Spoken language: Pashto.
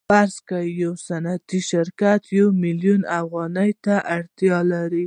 فرض کړئ یو صنعتي شرکت یو میلیون افغانیو ته اړتیا لري